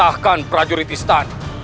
dapatkan prajurit istan